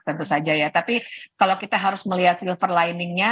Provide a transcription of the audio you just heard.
tentu saja ya tapi kalau kita harus melihat silver liningnya